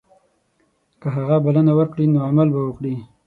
که هغه بلنه ورکړي نو عمل به وکړي.